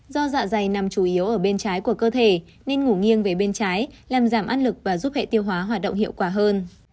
do dạ dày nằm chủ yếu ở bên trái của cơ thể nên ngủ nghiêng về bên trái làm giảm áp lực và giúp hệ tiêu hóa hoạt động hiệu quả hơn